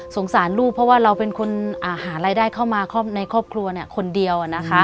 สารลูกเพราะว่าเราเป็นคนหารายได้เข้ามาในครอบครัวคนเดียวนะคะ